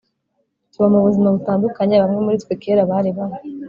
tuba mu buzima butandukanye Bamwe muri twe kera bari babi